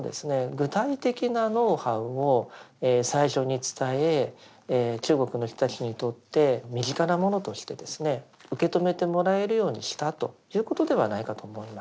具体的なノウハウを最初に伝え中国の人たちにとって身近なものとしてですね受け止めてもらえるようにしたということではないかと思います。